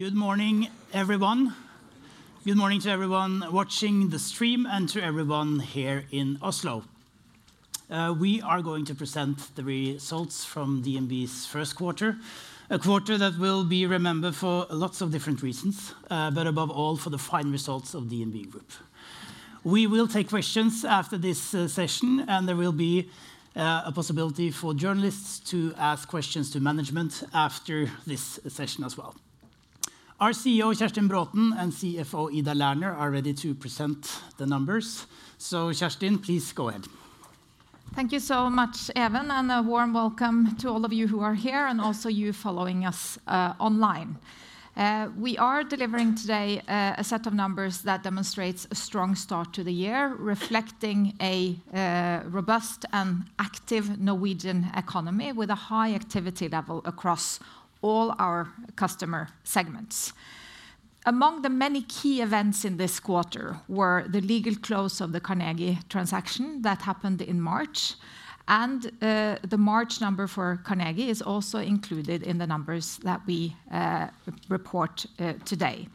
Good morning everyone. Good morning to everyone watching the stream and to everyone here in Oslo. We are going to present the results from DNB's first quarter. A quarter that will be remembered for lots of different reasons, but above all for the fine results of DNB Group. We will take questions after this session and there will be a possibility for journalists to ask questions to management after this session as well. Our CEO Kjerstin Braathen and CFO Ida Lerner are ready to present the numbers. Kjerstin, please go ahead. Thank you so much, Even, and a warm welcome to all of you who are here and also you following us online. We are delivering today a set of numbers that demonstrates a strong start to the year, reflecting a robust and active Norwegian economy with a high activity level across all our customer segments. Among the many key events in this quarter were the legal close of the Carnegie transaction that happened in March. The March number for Carnegie is also included in the numbers that we report today.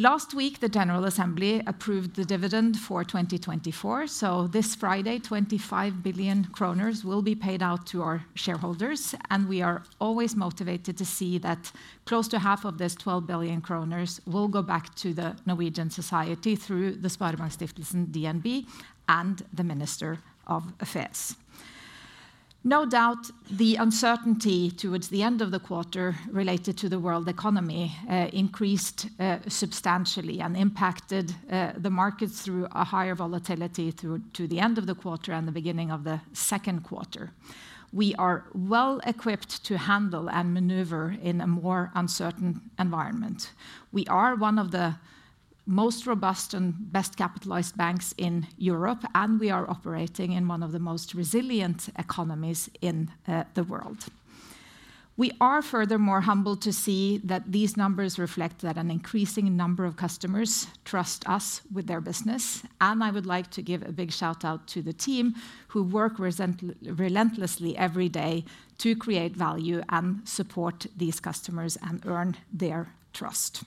Last week the General Assembly approved the dividend for 2024. This Friday 25 billion kroner will be paid out to our shareholders. We are always motivated to see that close to half of this, 12 billion kroner, will go back to the Norwegian society through the Sparebankstiftelsen DNB and the Ministry of Finance. No doubt the uncertainty towards the end of the quarter related to the world economy increased substantially and impacted the market through a higher volatility through to the end of the quarter and the beginning of the second quarter. We are well equipped to handle and maneuver in a more uncertain environment. We are one of the most robust and best capitalized banks in Europe and we are operating in one of the most resilient economies in the world. We are furthermore humbled to see that these numbers reflect that an increasing number of customers trust us with their business. I would like to give a big shout out to the team who work relentlessly every day to create value and support these customers and earn their trust.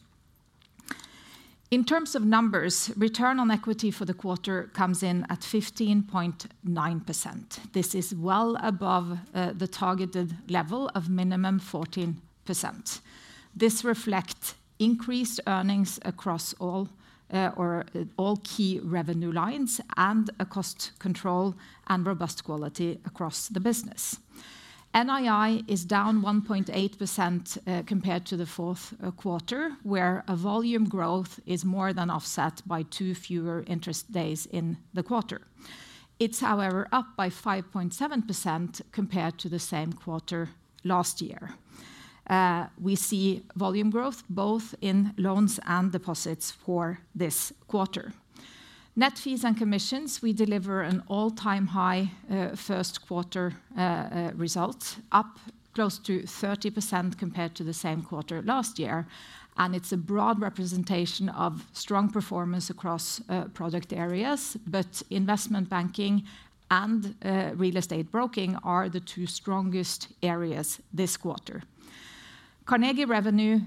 In terms of numbers, return on equity for the quarter comes in at 15.9%. This is well above the targeted level of minimum 14%. This reflects increased earnings across all key revenue lines and cost control and robust quality across the business. NII is down 1.8% compared to the fourth quarter where volume growth is more than offset by two fewer interest days in the quarter. It is however up by 5.7% compared to the same quarter last year. We see volume growth both in loans and deposits for this quarter. Net fees and commissions, we deliver an all time high first quarter result up close to 30% compared to the same quarter last year and it is a broad representation of strong performance across product areas, but investment banking and real estate broking are the two strongest areas this quarter. Carnegie revenue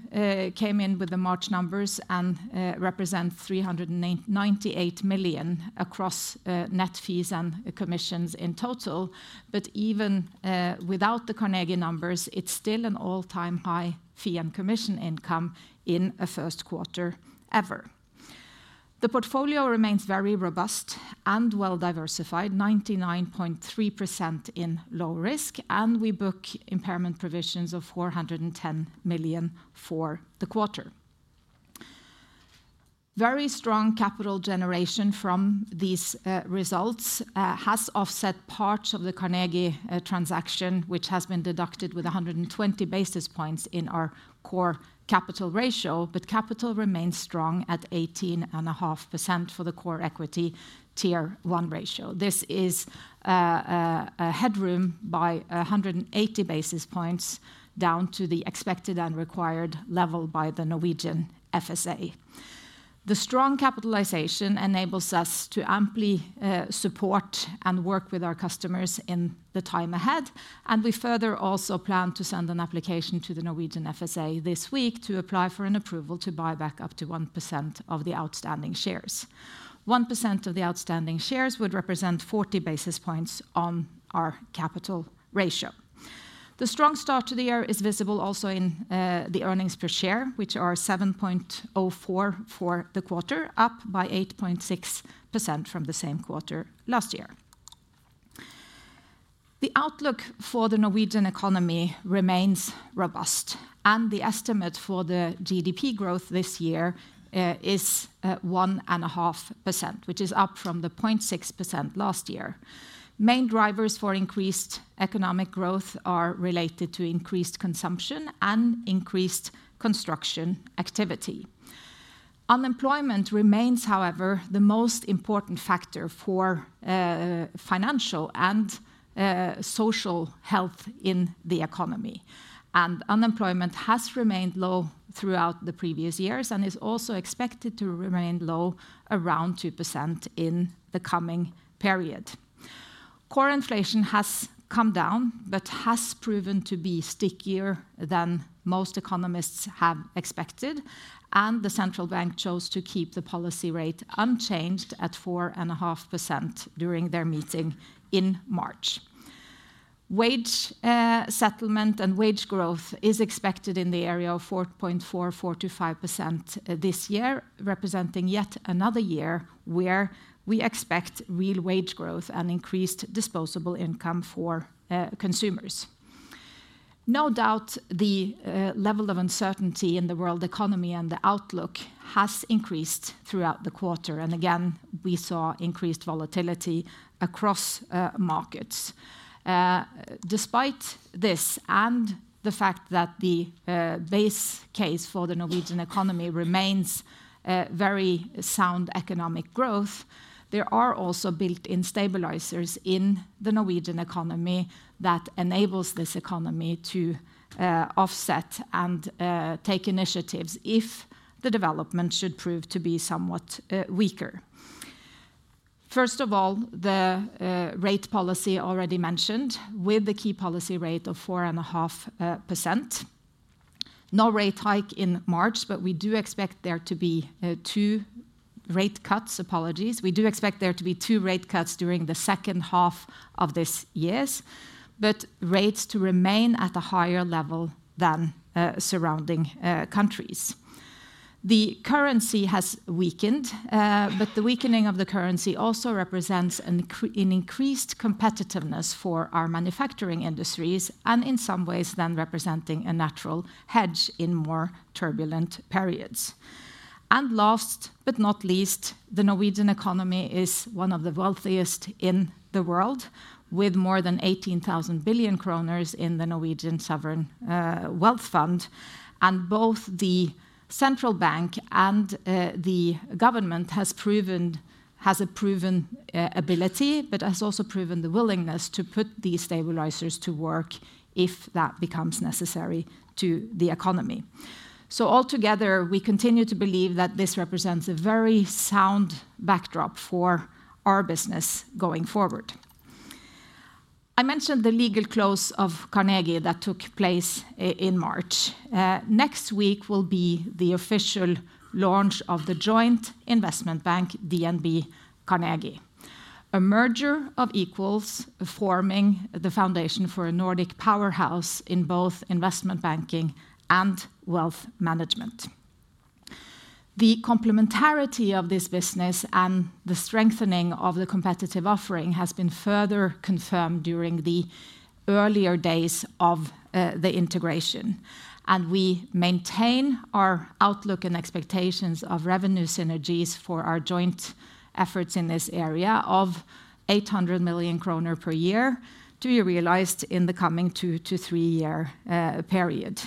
came in with the March numbers and represents 398 million across net fees and commissions in total, but even without the Carnegie numbers it's still an all time high fee and commission income in a first quarter ever. The portfolio remains very robust and well diversified, 99.3% in low risk and we book impairment provisions of 410 million for the quarter. Very strong capital generation from these results has offset part of the Carnegie transaction which has been deducted with 120 basis points in our core capital ratio, but capital remains strong at 18.5% for the core equity tier 1 ratio. This is headroom by 180 basis points down to the expected and required level by the Norwegian FSA. The strong capitalization enables us to amply support and work with our customers in the time ahead and we further also plan to send an application to the Norwegian FSA this week to apply for an approval to buy back up to 1% of the outstanding shares. 1% of the outstanding shares would represent 40 basis points on our capital ratio. The strong start to the year is visible also in the earnings per share which are 7.04 for the quarter, up by 8.6% from the same quarter last year. The outlook for the Norwegian economy remains robust and the estimate for the GDP growth this year is 1.5% which is up from the 0.6% last year. Main drivers for increased economic growth are related to increased consumption and increased construction activity. Unemployment remains, however the most important factor for financial and social health in the economy and unemployment has remained low throughout the previous years and is also expected to remain low around 2% in the coming period. Core inflation has come down but has proven to be stickier than most economists have expected and the central bank chose to keep the policy rate unchanged at 4.5% during their meeting in March. Wage settlement and wage growth is expected in the area of 4.45% this year, representing yet another year where we expect real wage growth and increased disposable income for consumers. No doubt the level of uncertainty in the world economy and the outlook has increased throughout the quarter and again we saw increased volatility across markets. Despite this and the fact that the case for the Norwegian economy remains very sound economic growth, there are also built-in stabilizers in the Norwegian economy that enable this economy to offset and take initiatives if the development should prove to be somewhat weaker. First of all, the rate policy already mentioned with the key policy rate of 4.5%. No rate hike in March, but we do expect there to be two rate cuts. Apologies, we do expect there to be two rate cuts during the second half of this year, but rates to remain at a higher level than surrounding countries. The currency has weakened, but the weakening of the currency also represents an increased competitiveness for our manufacturing industries and in some ways then representing a natural hedge in more turbulent periods. Last but not least, the Norwegian economy is one of the wealthiest in the world with more than 18,000 billion kroner in the Norwegian Sovereign Wealth Fund. Both the central bank and the government have a proven ability, but have also proven the willingness to put the destabilisers to work if that becomes necessary to the economy. Altogether we continue to believe that this represents a very sound backdrop for our business going forward. I mentioned the legal close of Carnegie that took place in March. Next week will be the official launch of the joint investment bank DNB Carnegie. A merger of equals forming the foundation for a Nordic powerhouse in both investment banking and wealth management. The complementarity of this business and the strengthening of the competitive offering has been further confirmed during the earlier days of the integration and we maintain our outlook and expectations of revenue synergies for our joint efforts in this area of 800 million kroner per year to be realized in the coming two to three year period.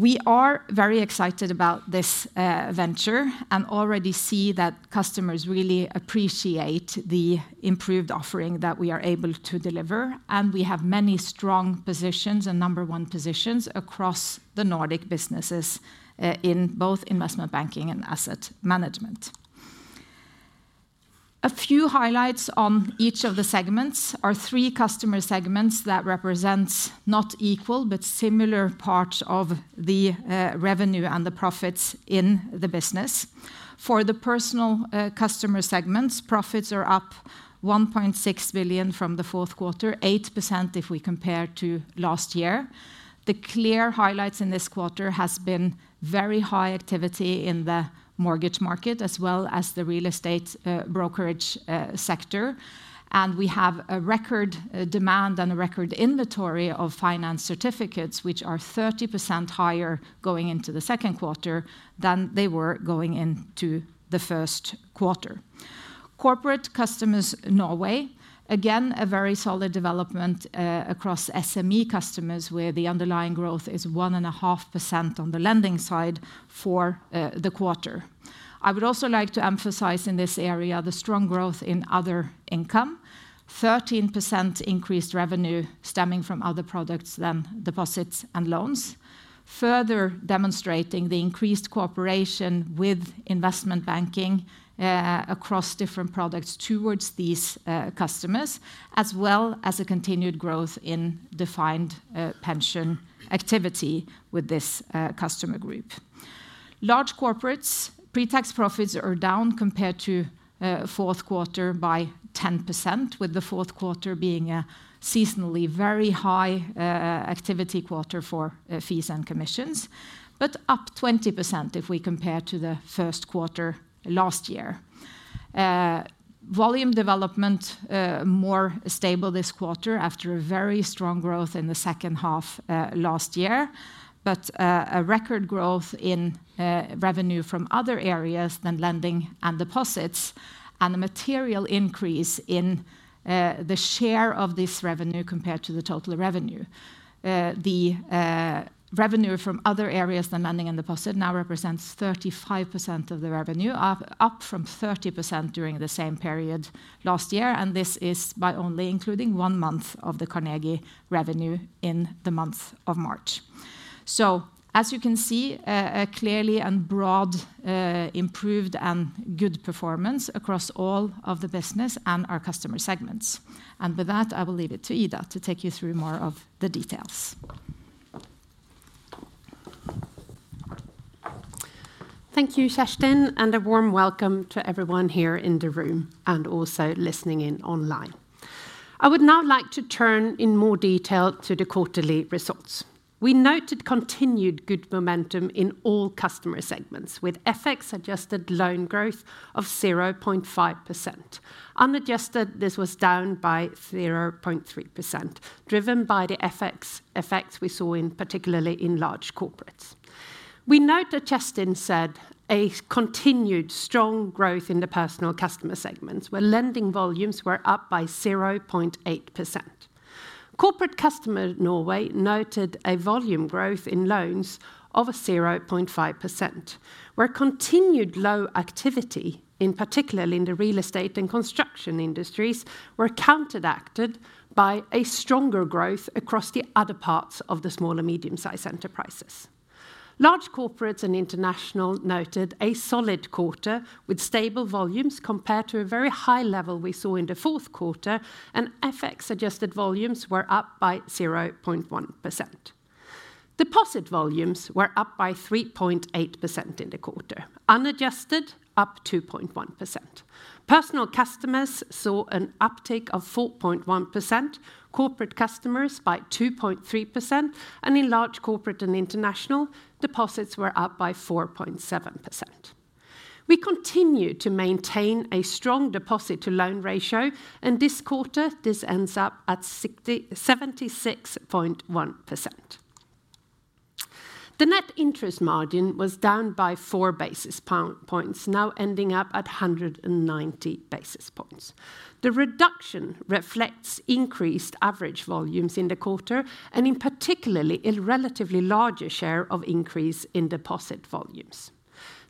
We are very excited about this venture and already see that customers really appreciate the improved offering that we are able to deliver. We have many strong positions and number one positions across the Nordic businesses in both investment banking and asset management. A few highlights on each of the segments are three customer segments that represents not equal but similar part of the revenue and the profits in the business. For the personal customer segments, profits are up 1.6 billion from the fourth quarter. 8% if we compare to last year. The clear highlights in this quarter have been very high activity in the mortgage market as well as the real estate brokerage sector. We have a record demand and a record inventory of finance certificates, which are 30% higher going into the second quarter than they were going into the first quarter. Corporate customers Norway again a very solid development across SME customers where the underlying growth is 1.5% on the lending side for the quarter. I would also like to emphasize in this area the strong growth in other income. 13% increased revenue stemming from other products than deposits and loans. Further demonstrating the increased cooperation with investment banking across different products towards these customers as well as a continued growth in defined contribution pension activity with this customer group. Large corporates pre-tax profits are down compared to fourth quarter by 10% with the fourth quarter being a seasonally very high activity quarter for fees and commissions, but up 20% if we compare to the first quarter last year. Volume development more stable this quarter after a very strong growth in the second half last year, but a record growth in revenue from other areas than lending and deposits and a material increase in the share of this revenue compared to the total revenue. The revenue from other areas than lending and deposit now represents 35% of the revenue, up from 30% during the same period last year. This is by only including one month of the Carnegie revenue in the month of March. You can see a clearly and broad improved and good performance across all of the business and our customer segments. With that I will leave it to Ida to take you through more of the details. Thank you, Kjerstin, and a warm welcome to everyone here in the room and also listening in online. I would now like to turn in more detail to the quarterly results. We noted continued good momentum in all customer segments with FX-adjusted loan growth of 0.5%. Unadjusted, this was down by 0.3% driven by the effects we saw particularly in large corporates. We note that Kjerstin said a continued strong growth in the personal customer segments where lending volumes were up by 0.8%. Corporate customer Norway noted a volume growth in loans of 0.5% where continued low activity, particularly in the real estate and construction industries, was counteracted by a stronger growth across the other parts of the small and medium sized enterprises. Large corporates and international noted a solid quarter with stable volumes compared to a very high level we saw in the fourth quarter and FX-adjusted volumes were up by 0.1%. Deposit volumes were up by 3.8% in the quarter unadjusted up 2.1%. Personal customers saw an uptick of 4.1%, corporate customers by 2.3% and in large corporate and international deposits were up by 4.7%. We continue to maintain a strong deposit-to-loan ratio and this quarter this ends up at 76.1%. The net interest margin was down by 4 basis points, now ending up at 190 basis points. The reduction reflects increased average volumes in the quarter and in particularly a relatively larger share of increase in deposit volumes.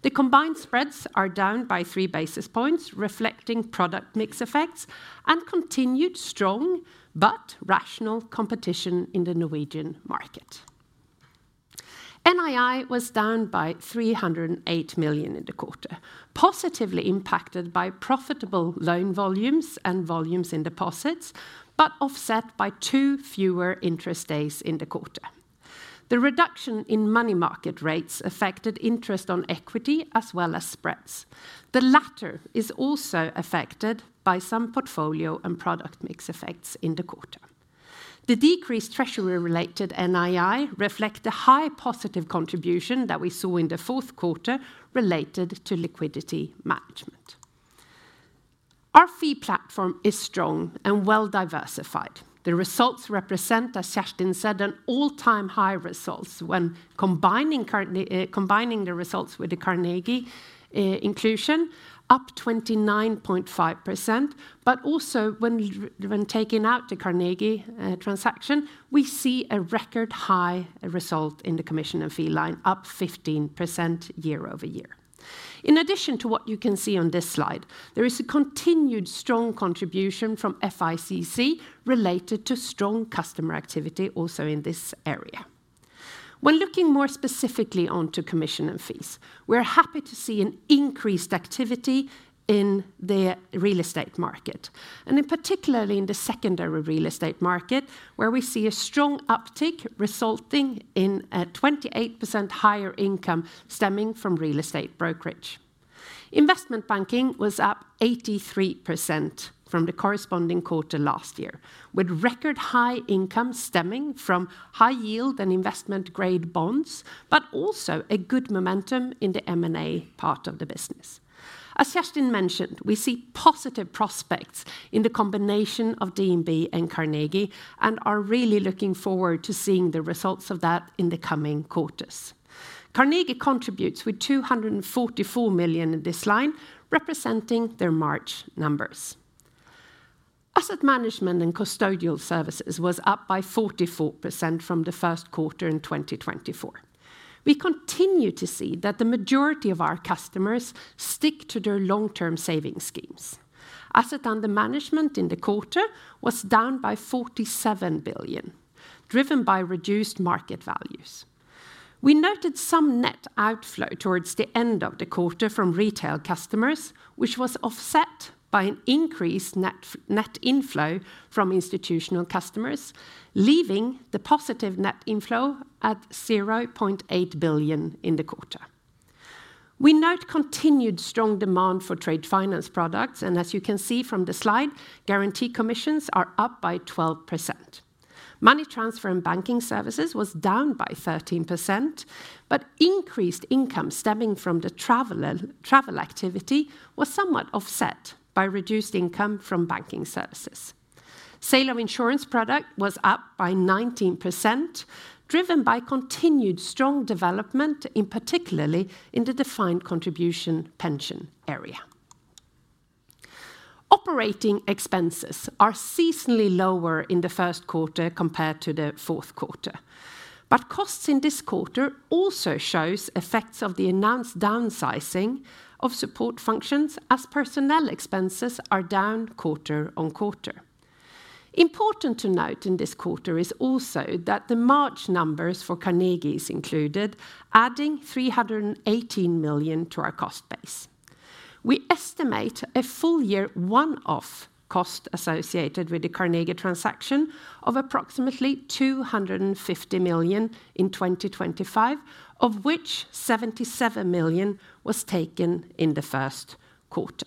The combined spreads are down by three basis points reflecting product mix effects and continued strong but rational competition in the Norwegian market. NII was down by 308 million in the quarter, positively impacted by profitable loan volumes and volumes in deposits but offset by two fewer interest days in the quarter. The reduction in money market rates affected interest on equity as well as spreads. The latter is also affected by some portfolio and product mix effects in the quarter. The decreased treasury related NII reflect the high positive contribution that we saw in the fourth quarter related to liquidity management. Our fee platform is strong and well diversified. The results represent, as Kjerstin said, an all time high result. When combining the results with the Carnegie inclusion up 29.5% but also when taking out the Carnegie transaction we see a record high result in the commission and fee line up 15% year-over-year. In addition to what you can see on this slide, there is a continued strong contribution from FICC related to strong customer activity also in this area. When looking more specifically onto commission and fees, we are happy to see an increased activity in the real estate market and in particular in the secondary real estate market where we see a strong uptick resulting in a 28% higher income stemming from real estate brokerage. Investment banking was up 83% from the corresponding quarter last year with record high income stemming from high yield and investment grade bonds but also a good momentum in the M&A part of the business. As Kjerstin mentioned, we see positive prospects in the combination of DNB and Carnegie and are really looking forward to seeing the results of that in the coming quarters. Carnegie contributes with 244 million in this line representing their March numbers. Asset management and custodial services was up by 44% from the first quarter in 2024. We continue to see that the majority of our customers stick to their long-term savings schemes. Asset under management in the quarter was down by 47 billion driven by reduced market values. We noted some net outflow towards the end of the quarter from retail customers which was offset by an increased net inflow from institutional customers leaving the positive net inflow at 0.8 billion in the quarter. We note continued strong demand for trade finance products and as you can see from the slide, guarantee commissions are up by 12%, money transfer and banking services was down by 13% but increased income stemming from the travel activity was somewhat offset by reduced income from banking services. Sale of insurance products was up by 19% driven by continued strong development in particularly in the defined contribution pension area. Operating expenses are seasonally lower in the first quarter compared to the fourth quarter, but costs in this quarter also show effects of the announced downsizing of support functions as personnel expenses are down quarter-on-quarter. Important to note in this quarter is also that the March numbers for Carnegie is included, adding 318 million to our cost base. We estimate a full year one-off cost associated with the Carnegie transaction of approximately 250 million in 2025, of which 77 million was taken in the first quarter.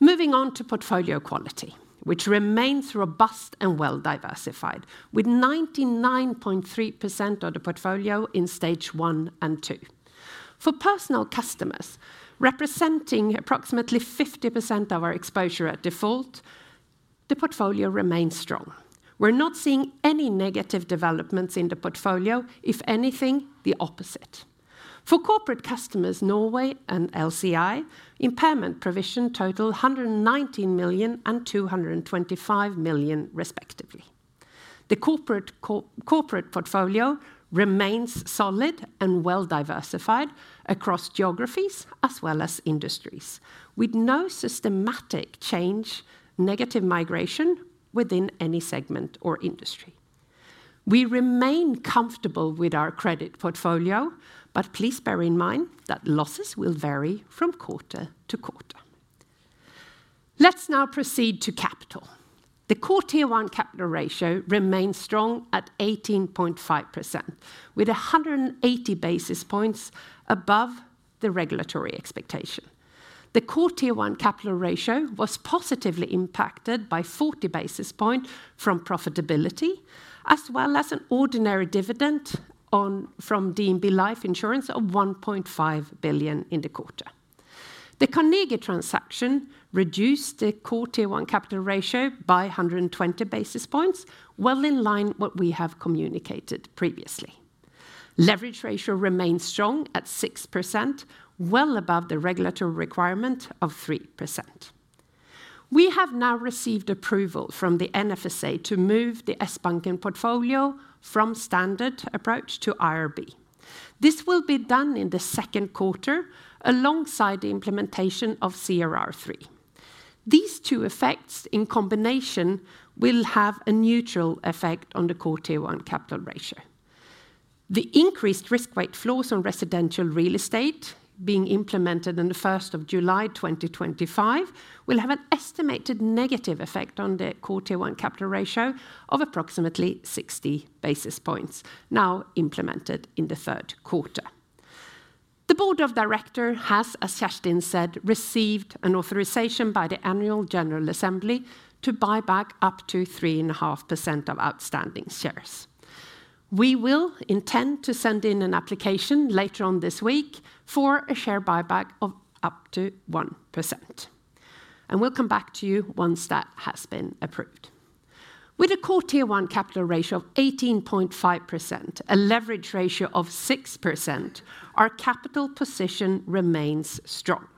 Moving on to portfolio quality, which remains robust and well diversified with 99.3% of the portfolio in stage one and two for personal customers representing approximately 50% of our exposure at default, the portfolio remains strong. We're not seeing any negative developments in the portfolio, if anything the opposite. For corporate customers Norway and LCI, impairment provision total 119 million and 225 million respectively. The corporate portfolio remains solid and well diversified across geographies as well as industries with no systematic change, negative migration within any segment or industry. We remain comfortable with our credit portfolio, but please bear in mind that losses will vary from quarter-to-quarter. Let's now proceed to capital. The core tier 1 capital ratio remains strong at 18.5% with 180 basis points above the regulatory expectation. The core tier 1 capital ratio was positively impacted by 40 basis points from profitability as well as an ordinary dividend from DNB Life Insurance of 1.5 billion in the quarter. The Carnegie transaction reduced the core tier 1 capital ratio by 120 basis points. In line with what we have communicated previously. Leverage ratio remains strong at 6%, well above the regulatory requirement of 3%. We have now received approval from the FSA to move the Sbanken portfolio from standard approach to IRB. This will be done in the second quarter alongside the implementation of CRR3. These two effects in combination will have a neutral effect on the core tier 1 capital ratio. The increased risk weight floors on residential real estate being implemented on the 1st of July 2025 will have an estimated negative effect on the core tier 1 capital ratio of approximately 60 basis points, now implemented in the third quarter. The Board of Directors has, as Kjerstin said, received an authorization by the Annual General Assembly to buy back up to 3.5% of outstanding shares. We will intend to send in an application later on this week for a share buyback of up to 1% and we'll come back to you once that has been approved. With a core tier 1 capital ratio of 18.5%, a leverage ratio of 6%, our capital position remains strong.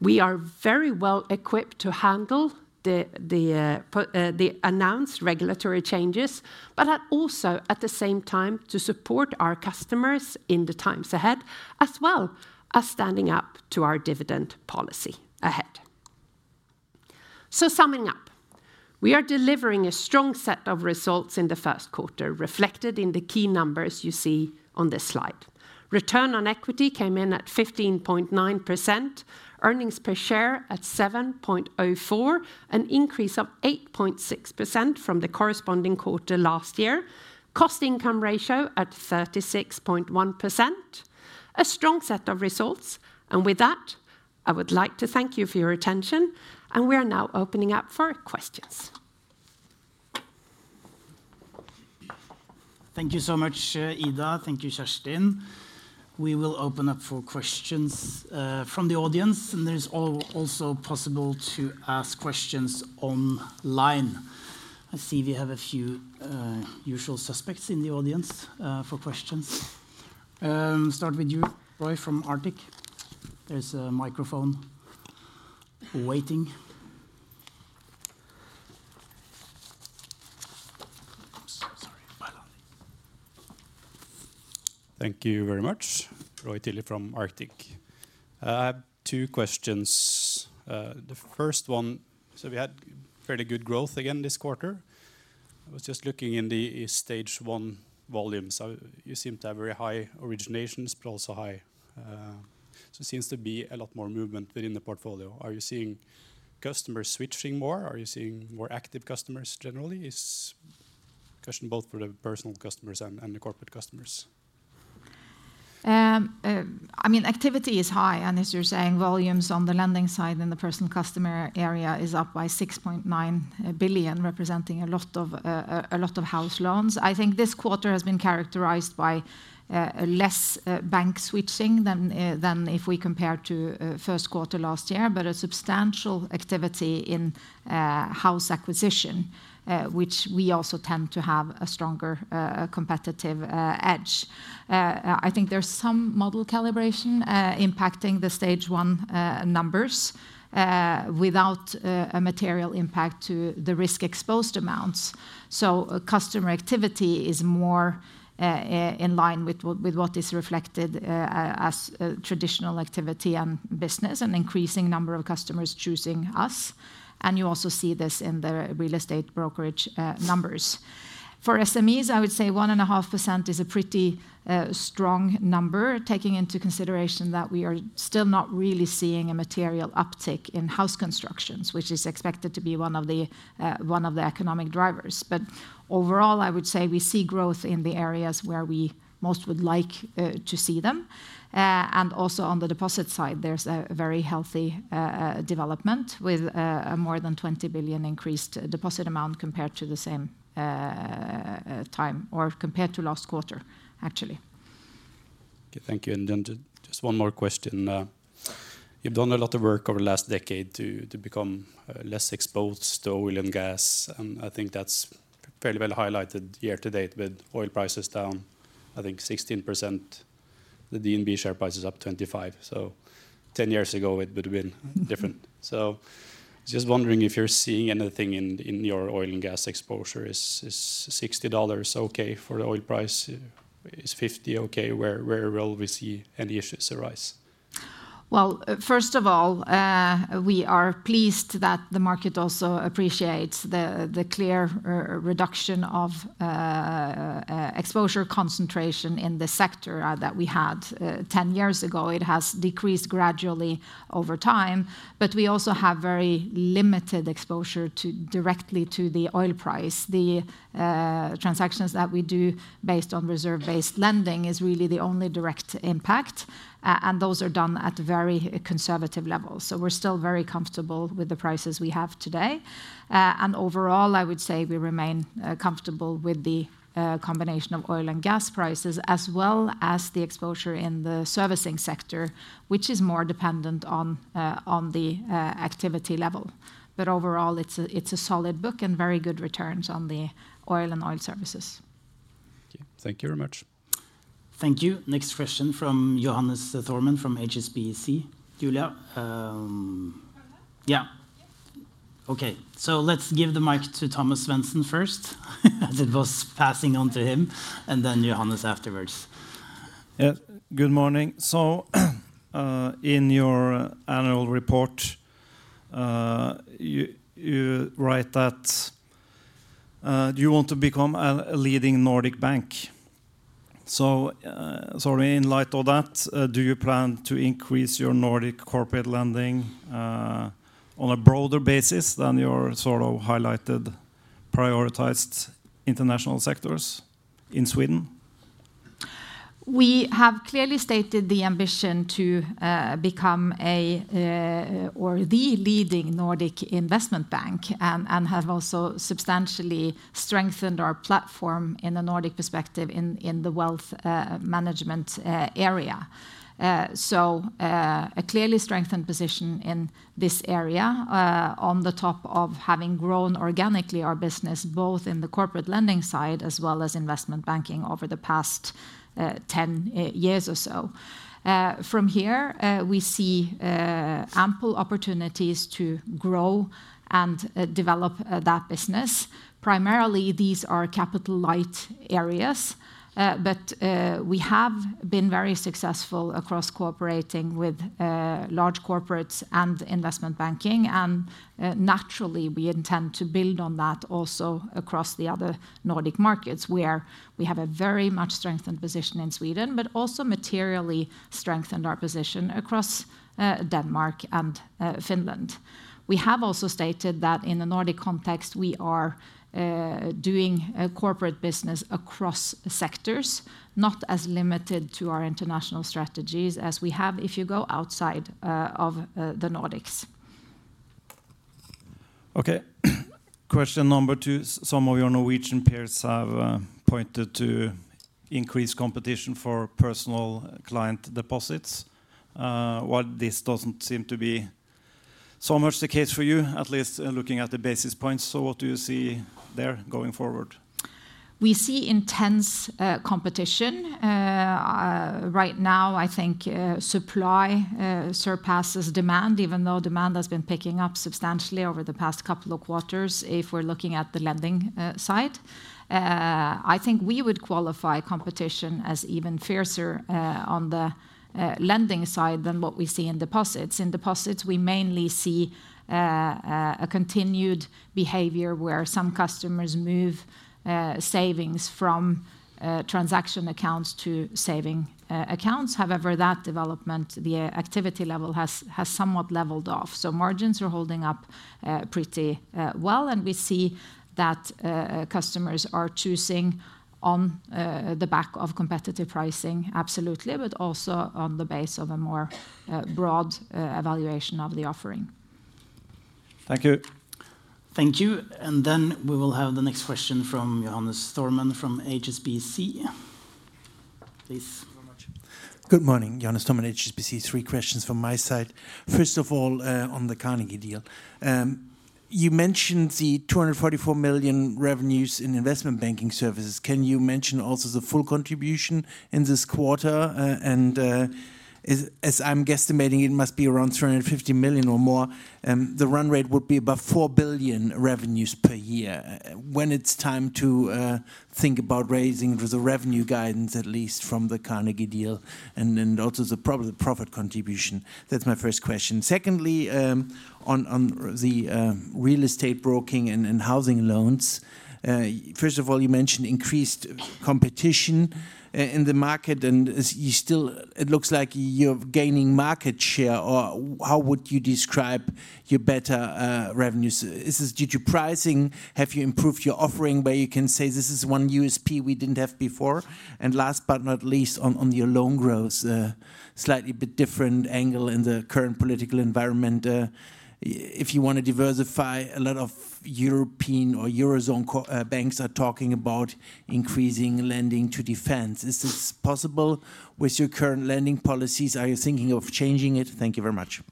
We are very well equipped to handle the announced regulatory changes, but also at the same time to support our customers in the times ahead as well, standing up to our dividend policy ahead. Summing up, we are delivering a strong set of results in the first quarter reflected in the key numbers you see on this slide. Return on equity came in at 15.9%, earnings per share at 7.04, an increase of 8.6% from the corresponding quarter last year, cost income ratio at 36.1%. A strong set of results. With that I would like to thank you for your attention and we are now opening up for questions. Thank you so much, Ida. Thank you, Kjerstin. We will open up for questions from the audience and it is also possible to ask questions online. I see we have a few usual suspects in the audience. For questions, start with you, Roy from Arctic. There is a microphone waiting. Thank you very much. Roy Tilley from Arctic. I have two questions. The first one, we had fairly good growth again this quarter. I was just looking in the stage one volume. You seem to have very high originations, but also high. It seems to be a lot more movement within the portfolio. Are you seeing customers switching more? Are you seeing more active customers? Generally, is question both for the personal customers and the corporate customers. I mean, activity is high and as you're saying, volumes on the lending side in the personal customer area is up by 6.9 billion, representing a lot of house loans. I think this quarter has been characterized by less bank switching than if we compare to first quarter last year, but a substantial activity in house acquisition, which we also tend to have a stronger competitive edge. I think there's some model calibration impacting the stage one numbers without a material impact to the risk-exposed amounts. Customer activity is more in line with what is reflected as traditional activity and business and increasing number of customers choosing us. You also see this in their real estate brokerage numbers. For SMEs, I would say 1.5% is a pretty strong number. Taking into consideration that we are still not really seeing a material uptick in house constructions, which is expected to be one of the economic drivers. Overall I would say we see growth in the areas where we most would like to see them. Also on the deposit side, there's a very healthy development with more than 20 billion increased deposit amount compared to the same time or compared to last quarter actually. Okay, thank you. Just one more question. You've done a lot of work over the last decade to become less exposed to oil and gas and I think that's fairly well highlighted year to date with oil prices down, I think 16%, the DNB share price is up 25%. Ten years ago it would have been different. Just wondering if you're seeing anything in your oil and gas exposure. Is $60 okay for the oil price? Is $50 okay? Where will we see any issues arise? First of all, we are pleased that the market also appreciates the clear reduction of exposure concentration in the sector that we had 10 years ago. It has decreased gradually over time, but we also have very limited exposure directly to the oil price. The transactions that we do based on reserve-based lending is really the only direct impact and those are done at very conservative levels. We are still very comfortable with the prices we have today. Overall, I would say we remain comfortable with the combination of oil and gas prices as well as the exposure in the servicing sector, which is more dependent on the activity level. Overall, it is a solid book and very good returns on the oil and oil services. Thank you very much. Thank you. Next question from Johannes Thorman from HSBC. Julia. Yeah. Okay, so let's give the mic to Thomas Svendsen first as it was passing on to him and then Johannes afterwards. Good morning. In your annual report. You write. Do you want to become a leading Nordic bank? Sorry, in light of that, do you plan to increase your Nordic corporate lending on a broader basis than your sort of highlighted prioritized international sectors in Sweden? We have clearly stated the ambition to become the leading Nordic investment bank and have also substantially strengthened our platform in the Nordic perspective in the wealth management area. A clearly strengthened position in this area on the top of having grown organically our business both in the corporate lending side as well as investment banking over the past ten years or so. From here we see ample opportunities to grow and develop that business. Primarily these are capital light areas, but we have been very successful across cooperating with large corporates and investment banking and naturally we intend to build on that also across the other Nordic markets where we have a very much strengthened position in Sweden, but also materially strengthened our position across Denmark and Finland. We have also stated that in the Nordic context we are doing corporate business across sectors. Not as limited to our international strategies as we have if you go outside of the Nordics. Okay, question number two. Some of your Norwegian peers have pointed. To increased competition for personal client deposits. While this doesn't seem to be so. Much the case for you, at least. Looking at the basis points. What do you see there going forward? We see intense competition right now. I think supply surpasses demand, even though demand has been picking up substantially over the past couple of quarters. If we're looking at the lending side, I think we would qualify competition as even fiercer on the lending side than what we see in deposits. In deposits, we mainly see a continued behavior where some customers move savings from transaction accounts to saving accounts. However, that development, the activity level has somewhat levelled off. Margins are holding up pretty well. We see that customers are choosing on the back of competitive pricing, absolutely, but also on the base of a more broad evaluation of the offering. Thank you. Thank you. Then we will have the next question from Johannes from HSBC, please. Good morning. Johannes Thorman, HSBC. Three questions from my side. First of all on the Carnegie deal, you mentioned the 244 million revenues in investment banking services. Can you mention also the full contribution in this quarter? As I'm guesstimating it must be around 350 million or more. The run rate would be about 4 billion revenues per year when it's time to think about raising the revenue guidance, at least from the Carnegie deal and also the probably profit contribution. That's my first question. Secondly, on the real estate broking and housing loans, first of all, you mentioned increased competition in the market and it looks like you're gaining market share or how would you describe your better revenues? Is this due to pricing? Have you improved your offering? Where you can say this is one USP we didn't have before. Last but not least on your loan growth, slightly bit different angle in the current political environment. If you want to diversify. A lot of European or Eurozone banks are talking about increasing lending to defense. Is this possible with your current lending policies? Are you thinking of changing it? Thank you very much.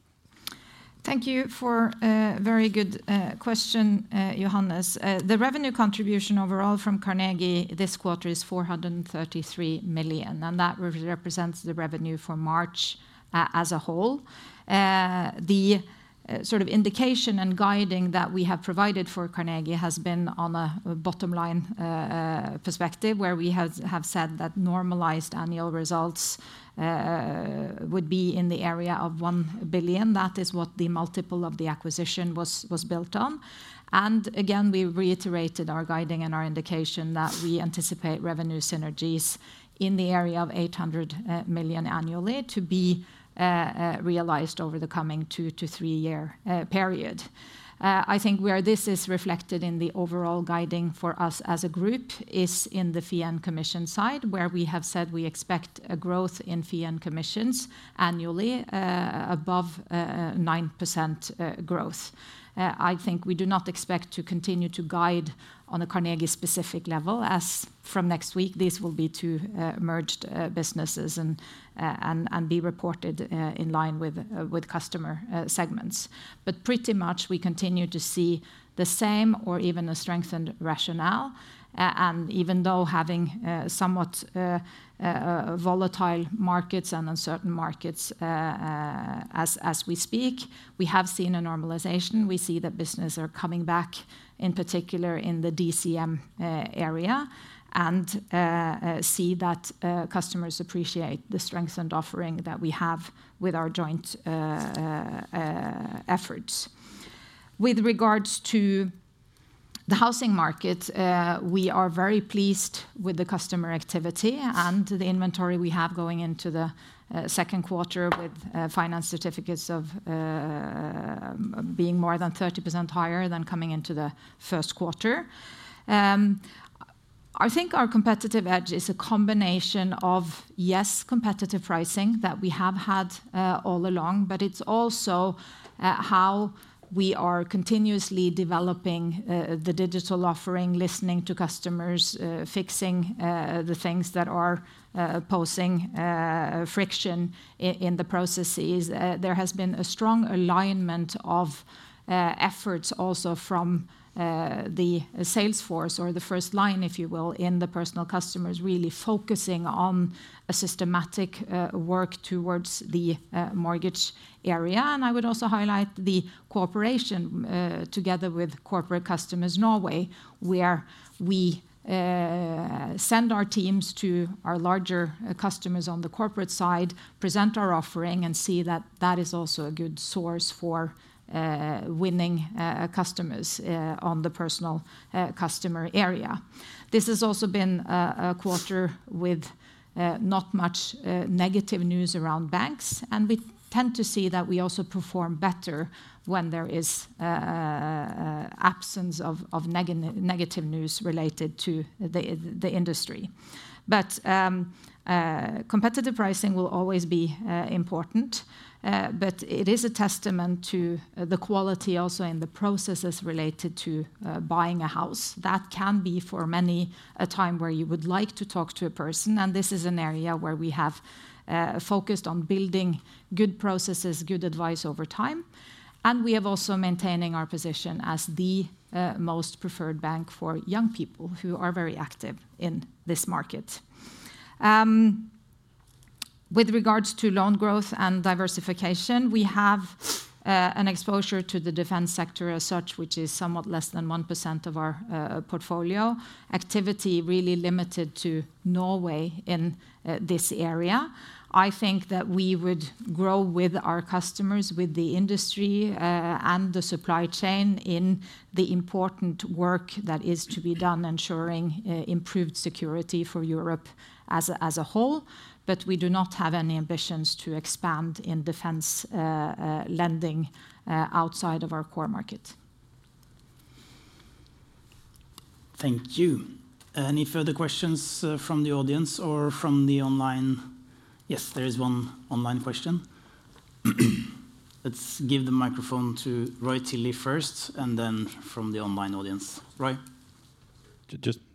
Thank you for very good question, Johannes. The revenue contribution overall from Carnegie this quarter is 433 million and that represents the revenue for March as a whole. The sort of indication and guiding that we have provided for Carnegie has been on a bottom line perspective where we have said that normalized annual results would be in the area of 1 billion. That is what the multiple of the acquisition was built on. Again, we reiterated our guiding and our indication that we anticipate revenue synergies in the area of 800 million annually to be realized over the coming two to three year period. I think where this is reflected in the overall guiding for us as a group, it is in the fee and commission side where we have said we expect a growth in fee and commissions annually above 9% growth. I think we do not expect to continue to guide on a Carnegie-specific level as from next week, these will be two merged businesses and be reported in line with customer segments. Pretty much we continue to see the same or even a strengthened rationale. Even though having somewhat volatile markets and uncertain markets as we speak, we have seen a normalization. We see that businesses are coming back, in particular in the DCM area, and see that customers appreciate the strengthened offering that we have with our joint efforts. With regards to the housing market, we are very pleased with the customer activity and the inventory we have going into the second quarter, with finance certificates being more than 30% higher than coming into the first quarter. I think our competitive edge is a combination of, yes, competitive pricing that we have had all along. It is also how we are continuously developing the digital offering, listening to customers, fixing the things that are posing friction in the processes. There has been a strong alignment of efforts also from the salesforce or the first line, if you will, in the personal customer, really focusing on a systematic work towards the mortgage area. I would also highlight the cooperation together with corporate customers Norway, where we send our teams to our larger customers on the corporate side, present our offering, and see that that is also a good source for winning customers on the personal customer area. This has also been a quarter with not much negative news around banks. We tend to see that we also perform better when there is absence of negative news related to the industry. Competitive pricing will always be important. It is a testament to the quality also in the processes related to buying a house. That can be for many a time where you would like to talk to a person. This is an area where we have focused on building good processes, good advice over time. We have also maintained our position as the most preferred bank for young people who are very active in this market. With regards to loan growth and diversification, we have an exposure to the defense sector as such, which is somewhat less than 1% of our portfolio activity, really limited to Norway in this area. I think that we would grow with our customers, with the industry and the supply chain in the important work that is to be done ensuring improved security for Europe as a whole. We do not have any ambitions to expand in defence lending outside of our core market. Thank you. Any further questions from the audience or from the online? Yes, there is one online question. Let's give the microphone to Roy Tilley first and then from the online audience. Right.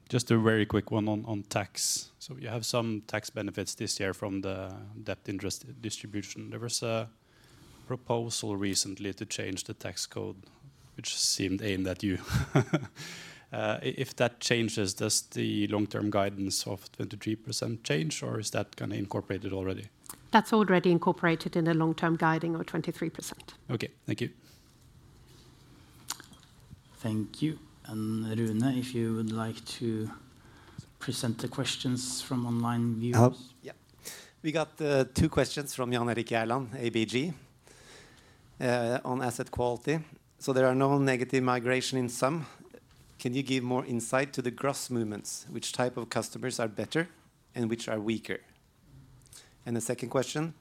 Just a very quick one on tax. You have some tax benefits this year from the debt interest distribution. There was a proposal recently to change the tax code which seemed aimed at you. If that changes, does the long-term guidance of 23% change or is that kind of incorporated already? That's already incorporated in a long-term guiding of 23%. Okay, thank you. Thank you. Rune, if you would like to present the questions from online views. We got two questions from Jan Erik Gjerland at ABG on asset quality. There are no negative migration. In sum, can you give more insight to the gross movements? Which type of customers are better and which are weaker? The second question.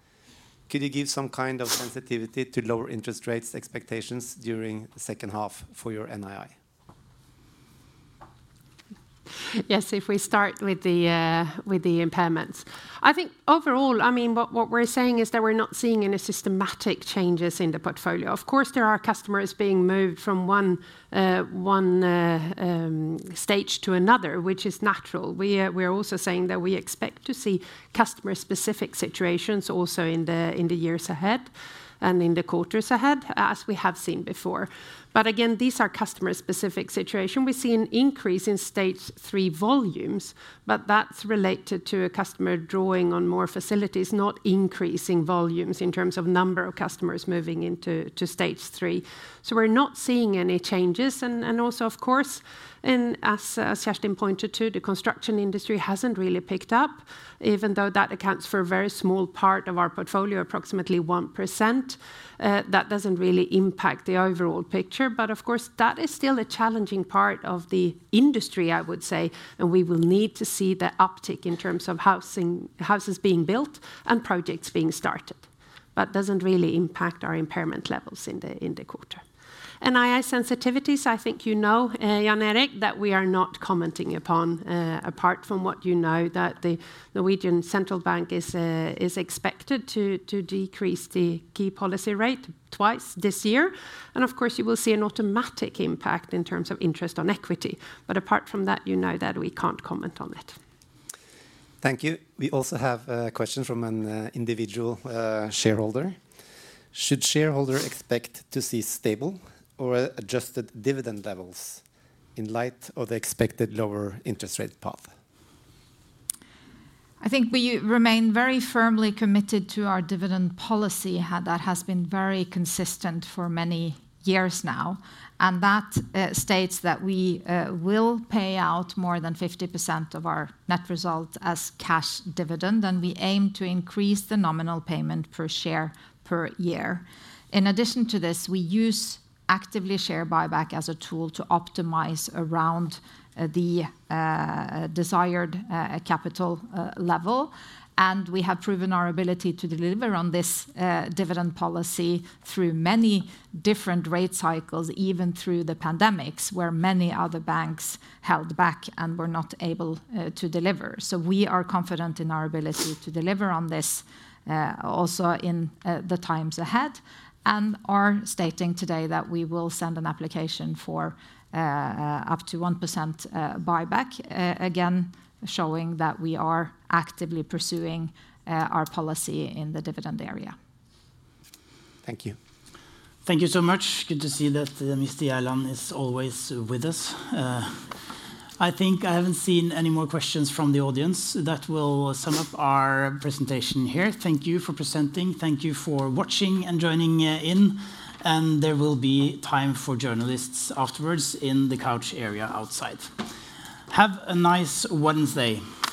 Could you give some kind of sensitivity to lower interest rates expectations during the second half for your NII? Yes, if we start with the impairments. I think overall, I mean what we're saying is that we're not seeing any systematic changes in the portfolio. Of course there are customers being moved from one stage to another, which is natural. We are also saying that we expect to see customer-specific situations also in the years ahead and in the quarters ahead, as we have seen before. Again these are customer-specific situation. We see an increase in stage three volumes, but that's related to a customer drawing on more facilities, not increasing volumes in terms of number of customers moving into stage three. We're not seeing any changes. Also of course, and as Kjerstin pointed to, the construction industry hasn't really picked up. Even though that accounts for a very small part of our portfolio, approximately 1%. That doesn't really impact the overall picture. Of course that is still a challenging part of the industry, I would say. We will need to see the uptick in terms of houses being built and projects being started, but it does not really impact our impairment levels in the quarter. NII sensitivities, I think you know, Jan Erik, that we are not commenting upon. Apart from what you know, that the Norwegian Central Bank is expected to decrease the key policy rate twice this year. You will see an automatic impact in terms of interest on equity. Apart from that, you know that we cannot comment on it. Thank you. We also have a question from an individual shareholder. Should shareholders expect to see stable or adjusted dividend levels in light of the expected lower interest rate path? I think we remain very firmly committed to our dividend policy that has been very consistent for many years now and that states that we will pay out more than 50% of our net result as cash dividend and we aim to increase the nominal payment per share per year. In addition to this, we use actively share buyback as a tool to optimize around the desired capital level. We have proven our ability to deliver on this dividend policy through many different rate cycles, even through the pandemics where many other banks held back and were not able to deliver. We are confident in our ability to deliver on this. Also in the times ahead and are stating today that we will send an application for up to 1% buyback, again showing that we are actively pursuing our policy in the dividend area. Thank you. Thank you so much. Good to see that Mr. Helland is always with us. I think I haven't seen any more questions from the audience. That will sum up our presentation here. Thank you for presenting. Thank you for watching and joining in. There will be time for journalists afterwards in the couch area outside. Have a nice Wednesday.